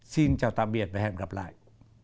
xin chào tạm biệt và hẹn gặp lại